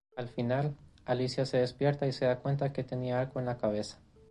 Al final, Alicia despierta y se da cuenta que tenía algo en la cabeza.